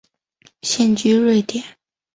现居瑞典。